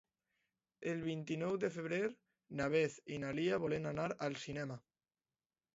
El vint-i-nou de febrer na Beth i na Lia volen anar al cinema.